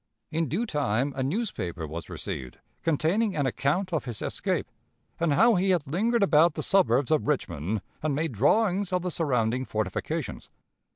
In due time a newspaper was received, containing an account of his escape, and how he had lingered about the suburbs of Richmond and made drawings of the surrounding fortifications.